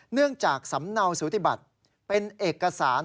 จากสำเนาสูติบัติเป็นเอกสาร